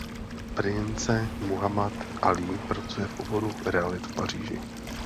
Prince Muhammad Alí pracuje v oboru realit v Paříži.